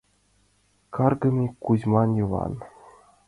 Каргыме Кузьман Йыван!